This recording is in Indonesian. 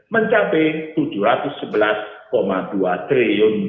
meningkatkan rp tiga puluh empat enam triliun